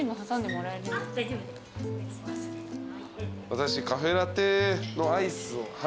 私カフェラテのアイスを。